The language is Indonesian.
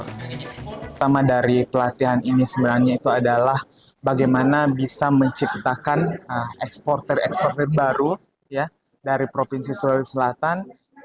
pertama dari pelatihan ini sebenarnya itu adalah bagaimana bisa menciptakan eksporter eksporter baru dari provinsi sulawesi selatan